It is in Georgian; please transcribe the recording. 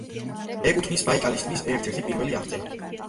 ეკუთვნის ბაიკალის ტბის ერთ-ერთი პირველი აღწერა.